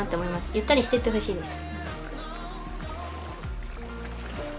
ゆったりしてってほしいです